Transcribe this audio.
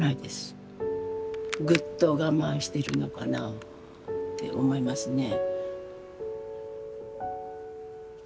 ぐっと我慢してるのかなあって思いますね。